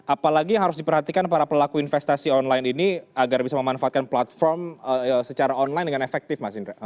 apalagi yang harus diperhatikan para pelaku investasi online ini agar bisa memanfaatkan platform secara online dengan efektif mas indra